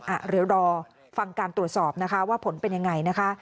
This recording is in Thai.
อ่ะเดี๋ยวรอฟังการตรวจสอบนะคะว่าผลเป็นยังไงนะคะ